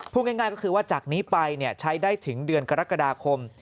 พูดง่ายก็คือว่าจากนี้ไปใช้ได้ถึงเดือนกรกฎาคม